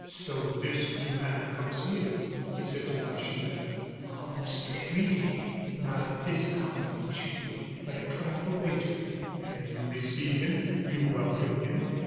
"So this young man comes here?" he said to Lacheneur. "Almost every day not at this hour, usually, but a trifle later." "And you receive him? you welcome him?"